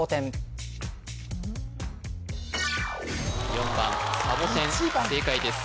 ４番サボテン正解です